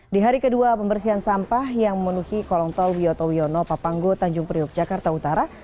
di hari kedua pembersihan sampah yang memenuhi kolong tol wiyoto wiono papanggo tanjung priok jakarta utara